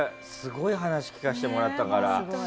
すごい話聞かせてもらったから。